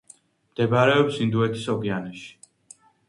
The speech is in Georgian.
მდებარეობს ინდოეთის ოკეანეში.